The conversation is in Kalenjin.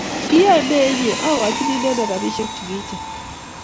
Kiyae ne inye akochini inendet rabisiek chukiche